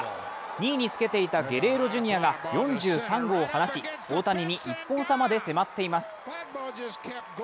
２位につけていたゲレーロジュニアが４３号を放ち大谷に１本差まで迫っています。